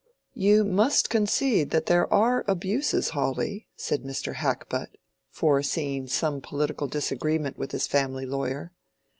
"You must concede that there are abuses, Hawley," said Mr. Hackbutt, foreseeing some political disagreement with his family lawyer.